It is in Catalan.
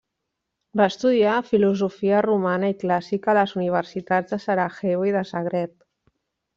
Va estudiar Filosofia Romana i Clàssica a les universitats de Sarajevo i de Zagreb.